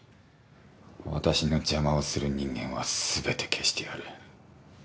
私の邪魔をする人間はすべて消してやる。